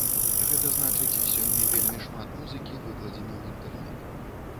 Гэта значыць, сёння вельмі шмат музыкі выкладзена ў інтэрнэт.